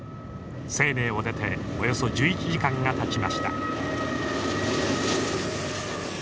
西寧を出ておよそ１１時間がたちました。